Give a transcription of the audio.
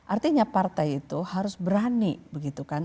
artinya partai itu harus berani begitu kan